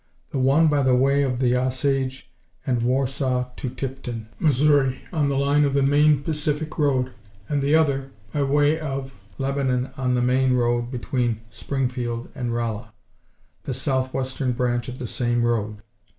The one by the way of the Osage and Warsaw to Tipton, Mo., on the line of the main Pacific road, and the other by way of Lebanon, on the main road between Springfield and Rolla, the south western branch of the same road.